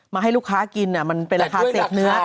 ให้ลูกค้ากินมันเป็นราคาเสพเนื้อ